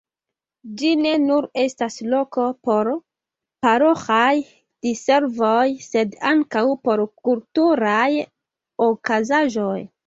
Ĝi ne nur estas loko por paroĥaj diservoj, sed ankaŭ por kulturaj okazaĵoj.